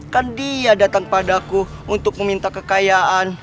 kan dia datang padaku untuk meminta kekayaan